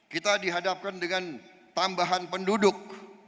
kita dihadapkan dengan tambahan penduduk